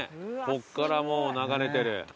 こっからもう流れてる。